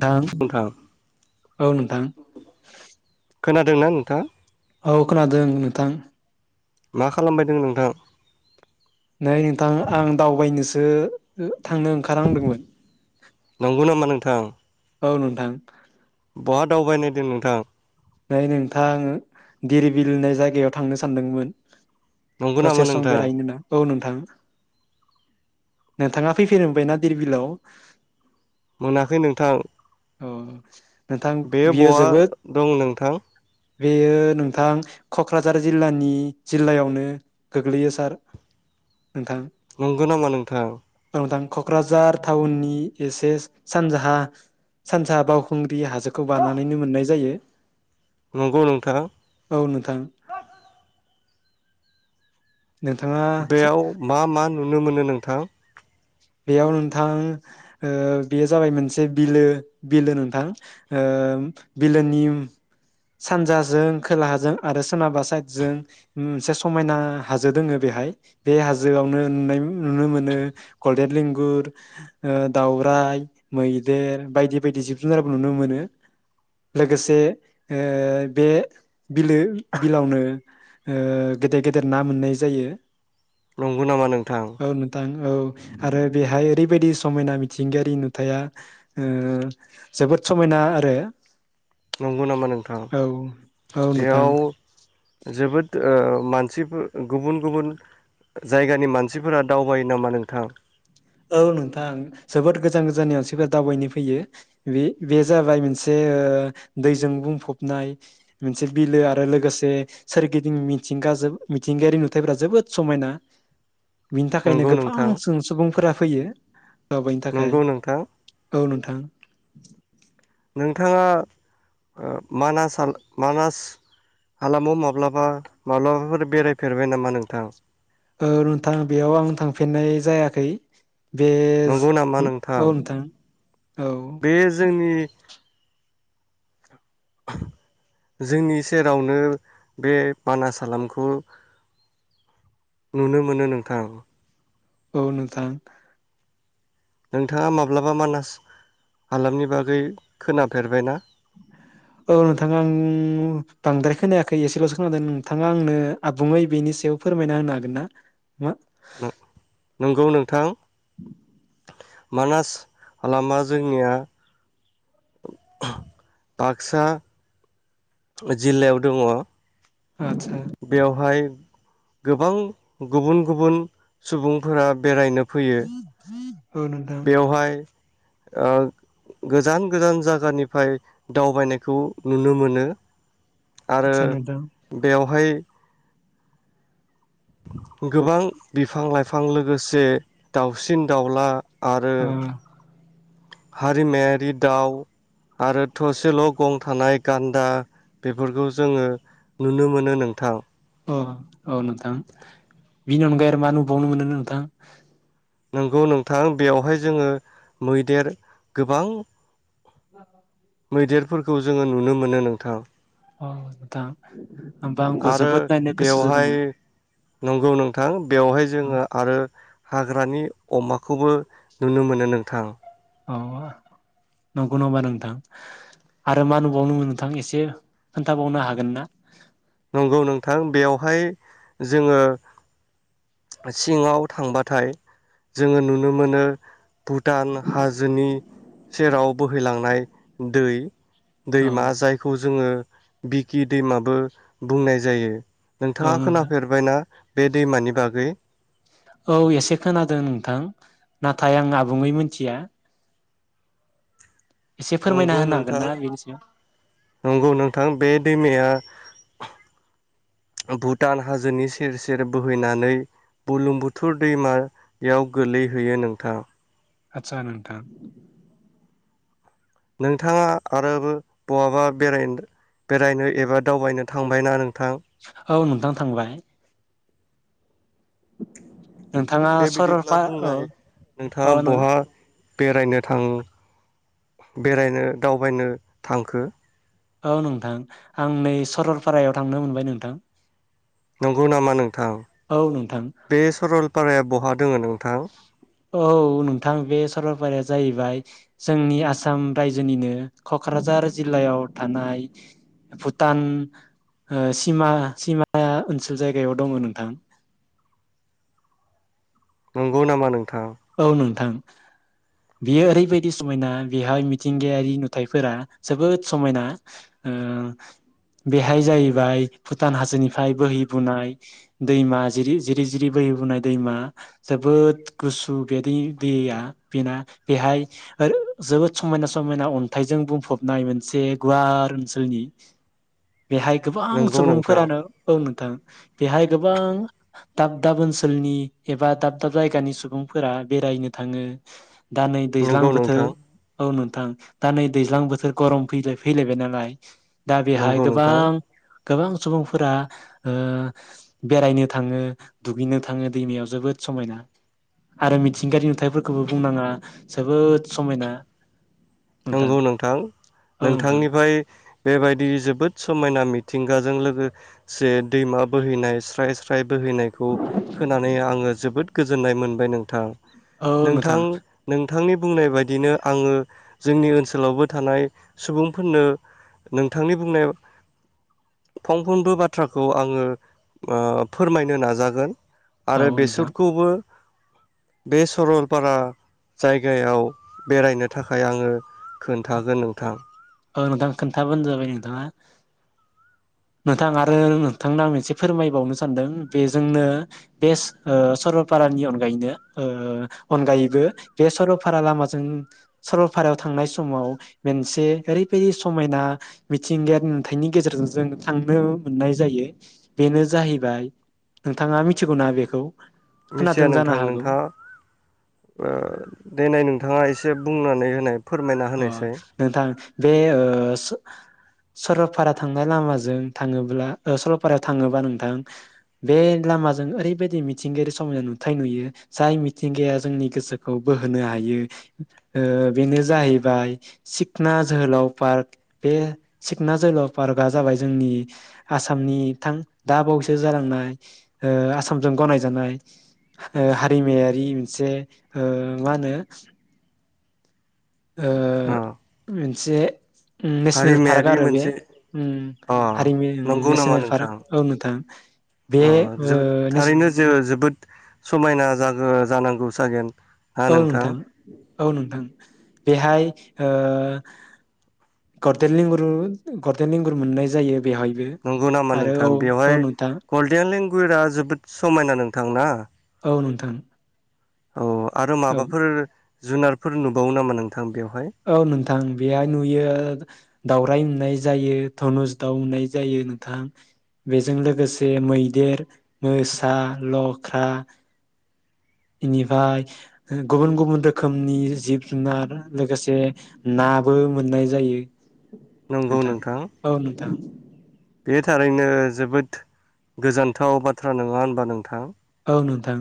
थां नोंथां [inaudible] औ नोंथां। खोनादोंना नोंथां? औ खोनादों नोंथां। मा खालामबायदों नोंथां? ओ थांनो ओंखारहांदोंमोन। नंगौ नामा नोंथां? औ नोंथां। बहा दावबायनो नागिरदों नोंथां? नै नोंथा दिरबिल होननाय जायगायाव थांनो सानदोंमोन। नंगौ नामा दसे सम नोंथां बेरायहैनो औ नोंथां। नोंथाङा फैफेर मोनबायना देरबिलाव? मोनाखै नोंथां। औ। नोंथां बे बियो बआ जोबोद दं नोंथां? बेयो नोंथां क'क्राझार जिल्लानि जिल्लायावनो गोग्लैयो सार। नोंथां नंगौ नामा नोंथां? औ नोंथां क'क्राझार टाउननि एसे सानजाहा सानसा बाउखुं ग्रि हाजोखौ बानानैनो मोननाय जायो। नंगौ नोंथां। औ नोंथां [inaudible] नोंथाङा सा बेयाव मा मा। नुनो मोनो नोंथां। बेयाव नोंथां ओ बेयो जाबाय मोनसे बिलो बिलो नोंथां बिलोनि सानजाजों खोलाहाजों आरो सनाबा साइदजों मोनसे समायना हाजो दोङो बेहाय बे हाजोआवनो नुनाय नुनो मोनो। गलडेन लिंगुर दावराइ मैदेर बायदि बायदि जिब जुनारबो नुनो मोनो लोगोसे बे बिलो बिलावनो गेदेर गेदेर ना मोननाय जायो। नंगौ नामा नोंथां। औ नोंथां औ। आरो बेहाय ओरैबायदि समायना मिथिंगायारि नुथाया ओ जोबोद समायना आरो। नंगौ नामा नोंथां औ औ नोंथां बेयाव जोबोद मानसिफोर गुबुन गुबुन जायगानि मानसिफोरा दावबायायो नामा नोंथां औ नोंथां जोबोद गोजान गोजाननि आनसिफोरा दावबायनो फैयो बे बे जाबाय मोनसे दैजों बुंफबनाय मोनसे बिलो आरो लोगोसे सोरगिदिं मिथिंगाजों मिथिंगायारि नुथायफोरा जोबोद समायना बिनि थाखायनो नंगौ गोबां नोंथां सुबुंफोरा फैयो। औ दावबायनी नंगौ नोंथां थाखाय औ थां। नोंथाङा ओ मानास मानास हालामाव माब्लाबा माब्लाबाफोर बेरायफेरबाय नामा नोंथां। औ नोंथां बेयाव आं थांफिननाय जायाखै। बेज नंगौ नामा ओ नोंथां। औ बे जोंनि। जोंनि सेरावनो बे मानास हालामखौ नुनो मोनो नोंथां। औ नोंथां। नोंथाङा माब्लाबा मानास हालामनि बागै खोनाफेरबायना। औ नोंथाङा आं बांद्राय खोनायाखै एसेल'सो खोनादों नोंथाङा आंनो आबुङै बेनि सायाव फोरमायना होनो हागोन ना। नंगौ नोंथां। मानास हालामा जोंनिया बाक्सा जिल्लायाव दङ आदसा। बेवहाय गोबां गुबुन गुबुन सुबुंफोरा बेरायनो फैयो [inaudible] बेवहाय ओ गोजान गोजान जायगानिफ्राय दावबायनायखौ नुनो मोनो आरो आदसा नोंथां बेवहाय गोबां बिफां लाइफां लोगोसे दाउसिन दाउला आरो। अ हारिमायारि दाउ आरो थसेल' गं थानाय गान्दा बेफोरखौ जोङो नुनो मोनो नोंथां। अ औ नोंथां बिनि अनगायै आरो मा नुबावनो मोनो नोंथां। नंगौ नोंथां बेवहाय जोङो मैदेर गोबां [unintelligible] मैदेरफोरखौ जोङो नुनो मोनो नोंथां। औ नोंथां होमबा आंबो आरो जोबोद नायनो गोसो बेवहाय जादोंमोन नंगौ नों थां बेवहाय जोंङो आरो हा ग्रानि अमाखौबो नुनो मोनो नोंथां। अ नंगौ नामा नोंथां आरो मा नुबावनो मोनो नोंथां एसे खोन्थाबावनो हागोन ना नंगौ नोंथां बेयावहाय जोंङो सिङाव थांबाथाय जोंङो नुनो मोनो भुटान हाजोनि सेराव बोहैलांनाय दै औ दैमा जायखौ जोंङो बिकि दैमाबो बुंनाय जायो। औ नोंथाङा नोंथां खोनाफेरबायना बे दैमानि बागै? औ एसे खोनादों नोंथां नाथाय आं आबुङै मिथिया एसे फोरमायना नंगौ होनो हागोन नोंथां ना बेनि सायाव? नंगौ नोंथां बे दैमाया भुटान हाजोनि सेर-सेर बोहैनानै बुरलुंबुथुर दैमायाव गोलैहैयो नोंथां। आतसा नोंथां। नोंथाङा आरोबो बहाबा बेरायनो-बेरायनो एबा दावबायनो थांबायना नों थां औ नोंथां थांबाय। [inaudible] नोंथाङा दे बिदिब्ला सरलपा औ बुंनाय नोंथाङा औ बहा बेरायनो थां बेरायनो दावबायनो थांखो औ नोंथां आं नै सरलपारायाव थांनो मोनबाय नोंथां। नंगौ नामा नोंथां औ नोंथां बे सरलपाराया बहा दोङो नोंथां औ नोंथां बे सरलपाराया जाहैबाय जोंनि आसाम रायजोनिनो कक्राझार जिल्लायाव थानाय भुटान सिमा-सिमा ओनसोल जायगायाव दङ नोंथां। नंगौ नामा नों औ नोंथां। बेयो ओरैबायदि समायना बेहाय मिथिंगायारि नुथायाइफोरा जोबोद समायना ओ बेहाय जाहैबाय भुटान हाजोनिफ्राय बोहैबोनाय दैमा जिरि-जिरि-जिरि बोहैबोनाय दैमा जोबोद गु सु बे दै दैया बेना बेहाय जोबोद समायना-समायना अन्थाइजों बुंफबनाय मोनसे गुवार ओनसोलनि बेहाय गोबां नंगौ नोंथां सुबुंफोरानो औ नोंथां। बेहाय गोबां दाब-दाब ओनसोलनि एबा दाब-दाब जायगानि सुबुं फोरा बेरायनो थाङो। दा नै दैज्लां नंगौ बोथोर नोंथां औ नों थां दा नै दैज्लां बोथोर गरम फै-फैलायबाय नालाय दा बेहाय नंगौ नोंथां गोबां गोबां सुबुंफोरा ओ बेरायनो थाङो दुगैनो थाङो दैमायाव जोबोद समायना आरो मिथिंगायारि नुथायफोरखौबो बुंनाङा जोबोद समायना। नंगौ नोंथां। औ नोंथां नोंथांनिफाय बेबायदि जोबोद समायना मिथिंगाजों लोगोसे दैमा बोहैनाय स्राय स्राय बोहैनायखौ खोनानै आङो जोबोद गोजोननाय मोनबाय नोंथां। नोंथां नों थांनि बुंनाय बायदिनो आङो जोंनि ओनसोलावबो थानाय सुबुंफोरनो नोंथांनि बुंनायाव फंफ्रोमबो बाथ्राखौ आङो ओ फोरमायनो नाजागोन। औ आरो नोंथां बेसरखौबो बे सरलपारा जायगायाव बेरायनो थाखाय आङो खोन्थागोन नोंथां ओ नोंथां खोन्थाबानो जाबाय नोंथाङा नोंथां आरो नोंथांनो आं मोनसे फोरमायबावनो सानदों बेजोंनो बेस ओ सरलपारानि अनगायैनो ओ अनगायैबो बे सरलपारा लामाजों सरलफारायाव थांनाय समाव मोनसे ओरैबायदि समायना मिथिंगायारि नुथायनि गेजेरजों जों थांनो मोननाय जायो बेनो जाहैबाय नोंथाङा मिथिगौ ना बेखौ मिथिया खोनादों जानो नोंथां हागौ नोंथाङा ओ देनाय नों थाङा एसे बुंनानै होनाय फोरमायना अ होनायसाय नोंथां बे ओ स सरलपारा थांनाय लामाजों थाङोब्ला ओ सरलपारायाव थाङोबा नोंथां बे लामाजों ओरैबायदि मिथिंगायारि समायना नुथाय नुयो जाय मिथिंगाया जोंनि गोसोखौ बोहोनो हायो ओ बेनो जाहै बाय सिखना जोहोलाव पार्क । बे सिखना जोहोलाव पार्कआ जाबाय जोंनि आसामनि थां दा बावैसो जालांनाय ओ आसामजों गनायजानाय ओ हारिमायारि मोनसे ओ मा होनो ओ अ मोनसे नेसनेल पार्क हारिमायारि आरो बे मोनसे उम अ हारिमु नंगौ नामा नेसनेल नोंथां? पार्क औ नोंथां बे अ ओ जोबोद नेस थारैनो जे जोबोद समायना जागो जानां गौ सागेन औ नोंथां औ नोंथां बेहाय ओ गरदेल लंगुरु गरदेल लेंगुर मोननाय जायो बेवहायबो नंगौ नामा आरो नोंथां औ औ बेवहाय नोंथां गल्डेन लेंगुरा जोबोद समायना नोंथां ना थां औ आरो माबाफोर जुनारफोर नुबावो नामा नों औ नोंथां बेहाय नुयो दावराइ नुनाय जायो, धनुस दाउ नुनाय जायो नोंथां। बेजों लोगोसे मैदेर, मोसा, लख्रा बेनिफाय गुबुन गुबुन रोखोमनि जिब जुनार लोगोसे नाबो मोननाय जायो। नंगौ नोंथां औ नोंथां बे थारैनो जोबोद गोजोनथाव बाथ्रा नोङा होनबा नोंथां औ नोंथां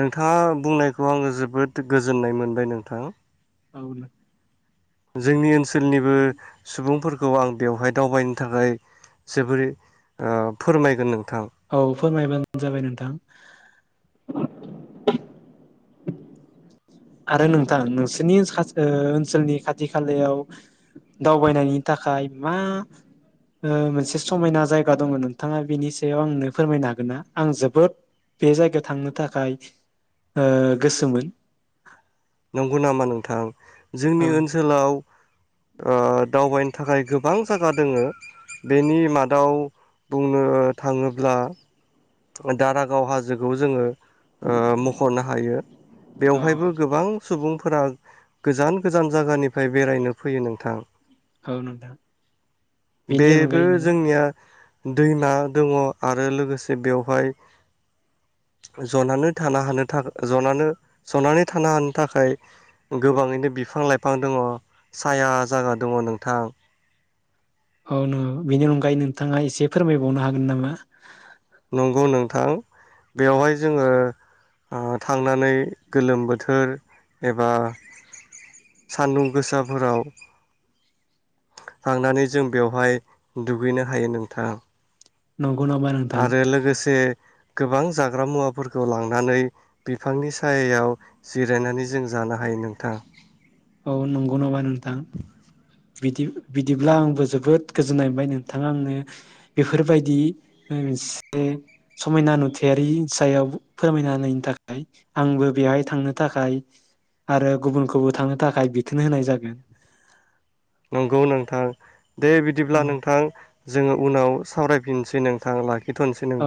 नोंथाङा बुंनायखौ आङो जोबोद गोजोननाय मोनबाय नोंथां। औ नों जोंनि ओनसोलनिबो सुबुंफोरखौ आं बेवहाय दावबायनो थाखाय जोबोरै ओ फोरमायगोन नों औ फोरमायबानो जाबाय नोंथां। [unintelligible] आरो नोंथां नोंसोरनि ओ ओनसोलनि खाथि खालायाव दावबायनायनि थाखाय मा ओ मोनसे समायना जायगा दङ नोंथाङा बिनि सायाव आंनो फोरमायनो हागोन ना आं जोबोद बे जायगायाव थांनो थाखाय ओ गोसोमोन। नंगौ नामा नोंथां। जोंनि ओं ओनसोलाव ओ दावबायनो थाखाय गोबां जगा दोङो बेनि मादाव बुंनो थाङोब्ला दारागाव हाजोखौ जोङो ओ मख'नो हायो बेवहायबो गोबां सुबुंफोरा गोजान गोजान जायगानिफ्राय बेरायनो फैयो नोंथां। औ नोंथां बेनि बेबो अनगायैनो जोंनिया दैमा दङ आरो लोगोसे बेवहाय जनानै थानो हानो था‌ ज जनानै सनानै थानो हानो थाखाय गोबाङैनो बिफां लाइफां दङ साया जागा दङ नोंथां। औ न बेनि अनगायै नोंथाङा एसे फोरमायबावनो हागोन नामा। नंगौ नोंथां बेवहाय जोङो ओ थांनानै गोलोम बोथोर एबा सानदुं गोसाफोराव थांनानै जों बेवहाय दुगैनो हायो नोंथां। नंगौ नामा नोंथां आरो लोगोसे गोबां जाग्रा मुवाफोरखौ लांनानै बिफांनि सायायाव जिरायनानै जों जानो हायो नोंथां। औ नंगौ नाबा नोंथां। बिदि बिदिब्ला आंबो जोबोद गोजोननाय मोनबाय नोंथाङा आंनो बेफोरबायदि मोनसे समायना नुथायारि सायाव फोरमायना होननि थाखाय आंबो बेहाय थांनो थाखाय आरो गुबुनखौबो थांनो थाखाय बिथोन होनाय जागोन। नंगौ नोंथां। दे औ बिदिब्ला नोंथां जोङो उनाव सावरायफिननोसै नोंथां लाखि अ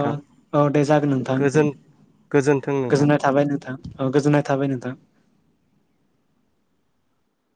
औ दे जागोन नोंथां दे गोजोन गोजोन्थों नोंथां। गोजोननाय थाबाय नोंथां ओ गोजोननाय थाबाय नोंथां।